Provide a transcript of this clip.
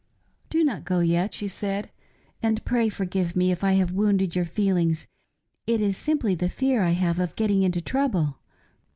" Do not go yet," she said, " and pray forgive me if I have wounded your feelings ; it is simply the fear I have of getting into trouble.